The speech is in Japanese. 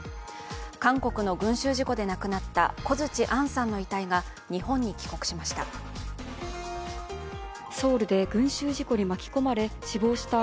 韓国の群集事故で亡くなった小槌杏さんの遺体が日本に帰国しました。